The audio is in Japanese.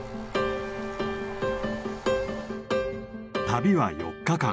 旅は４日間。